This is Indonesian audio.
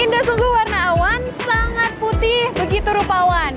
indah sungguh warna awan sangat putih begitu rupawan